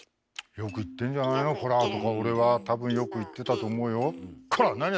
よく言ってんじゃないの「コラ！」とか俺は多分よく言ってたと思うよ。